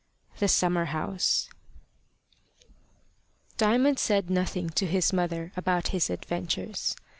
THE SUMMER HOUSE DIAMOND said nothing to his mother about his adventures.